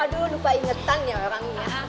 aduh lupa ingetan ya orangnya